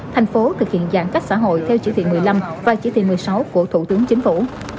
thành phố thực hiện giãn cách xã hội theo chỉ thị một mươi năm và chỉ thị một mươi sáu của thủ tướng chính phủ